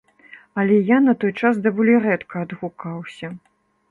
Але я на той час даволі рэдка адгукаўся.